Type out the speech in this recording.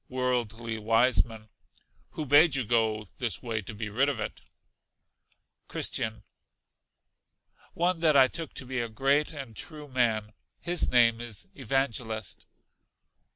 Worldly Wiseman. Who bade you go this way to be rid of it? Christian. One that I took to be a great and true man; his name is Evangelist.